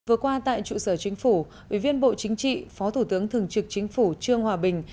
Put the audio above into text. vừa qua tại trụ sở chính phủ ủy viên bộ chính trị phó thủ tướng thường trực chính phủ trương hòa bình